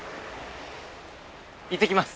行ってきます！